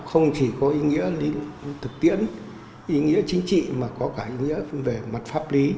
không chỉ có ý nghĩa thực tiễn ý nghĩa chính trị mà có cả ý nghĩa về mặt pháp lý